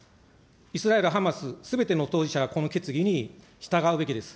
イスラエル、ハマス、すべての当事者がこの決議に従うべきです。